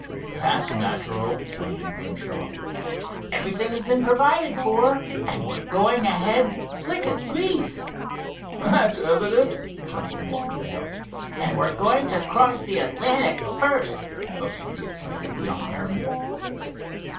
"That's natural," joined in Grimshaw. "Everything has been provided for, and we're going ahead slick as grease." "That's evident," chuckled Mr. Dale. "And we're going to cross the Atlantic first!" boasted the excited young airman.